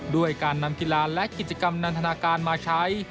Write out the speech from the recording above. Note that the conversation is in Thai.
ด้วยการนำกีฬาและกิจกรรมนันทนาการมาใช้